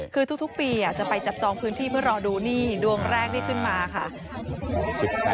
คือทุกปีจะไปจับจองพื้นที่เพื่อรอดูนี่ดวงแรกที่ขึ้นมาค่ะ